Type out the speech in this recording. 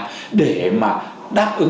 để mà đáp ứng các cái lượng xăng dầu của nghĩa sơn